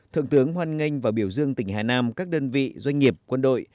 thượng tướng hoan nghênh và biểu dương tỉnh hà nam các đơn vị doanh nghiệp quân đội